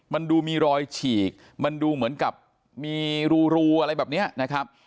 มันดูมีรอยฉีกมันดูเหมือนกับมีรูอะไรแบบนี้นะครับ